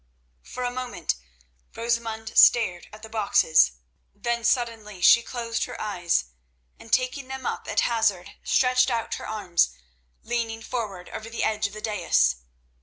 For a moment Rosamund stared at the boxes, then suddenly she closed her eyes, and taking them up at hazard, stretched out her arms, leaning forward over the edge of the dais.